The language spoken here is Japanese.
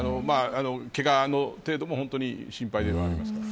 けがの程度も本当に心配ではあります。